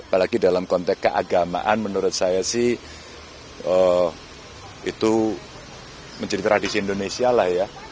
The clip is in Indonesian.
apalagi dalam konteks keagamaan menurut saya sih itu menjadi tradisi indonesia lah ya